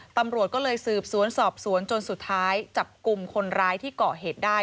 ตำรวจก็เลยสืบสวนสอบสวนจนสุดท้ายจับกลุ่มคนร้ายที่เกาะเหตุได้